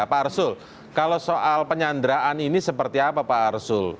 pak arsul kalau soal penyanderaan ini seperti apa pak arsul